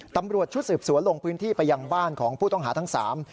ตำรวจชุดสืบสวนลงพื้นที่ไปยังบ้านของผู้ต้องหาทั้งสาม